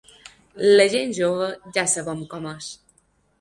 La gent jove ja sabem com és.